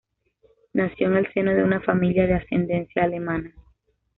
Nació en el seno de una familia de ascendencia alemana.